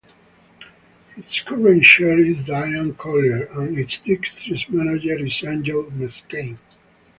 Its current Chair is Diane Collier and its District Manager is Angel Mescain.